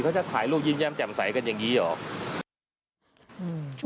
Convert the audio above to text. จะถ่ายรูปยิ้มแย้มแจ่มใสกันอย่างนี้เหรอ